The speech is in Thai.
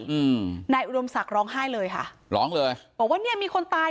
อืมนายอุดมศักดิ์ร้องไห้เลยค่ะร้องเลยบอกว่าเนี้ยมีคนตาย